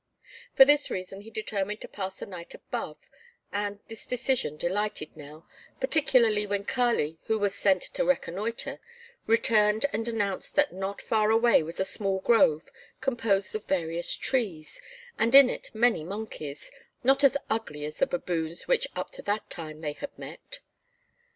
For this reason he determined to pass the night above, and this decision delighted Nell, particularly when Kali, who was sent to reconnoitre, returned and announced that not far away was a small grove composed of various trees, and in it many monkeys, not as ugly as the baboons which up to that time they had met.